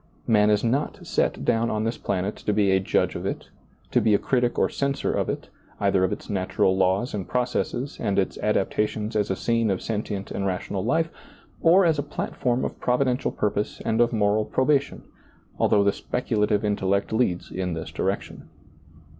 Man is not set down on this planet to be a judge of it, to be a critic or censor of it, either of its natural laws and processes, and its adaptations as a scene of sentient and rational life, or as a platform of Providential purpose and of moral probation, although the speculative intellect leads in this direction.